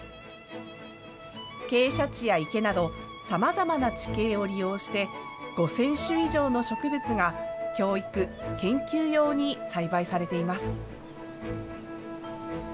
傾斜地や池など、さまざまな地形を利用して、５０００種以上の植物が、教育・研究用に栽培されています。